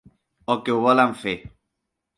O que ho volen fer.